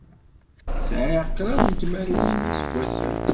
Sɛiɣ kraḍt n tmerwin n yiseggasen.